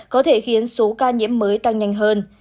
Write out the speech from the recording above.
có thể khiến số ca nhiễm mới tăng nhanh hơn